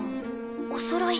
おそろい。